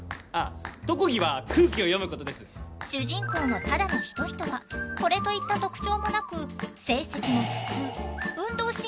主人公の只野仁人はこれといった特徴もなく成績も普通運動神経も普通。